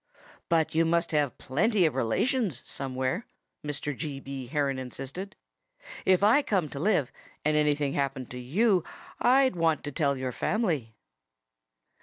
"But you must have plenty of relations somewhere," Mr. G. B. Heron insisted. "If I came here to live, and anything happened to you, I'd want to tell your family."